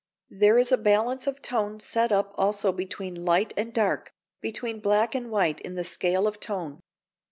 ] There is a balance of tone set up also between light and dark, between black and white in the scale of tone.